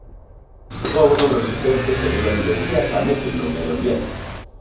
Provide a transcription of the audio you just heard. Os ovos son resistentes e duran de días a meses no medio ambiente.